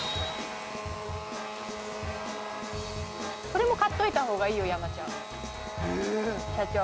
「これも買っといた方がいいよ山ちゃん」「社長」